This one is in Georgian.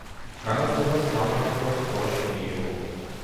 განათლება სამონასტრო სკოლაში მიიღო.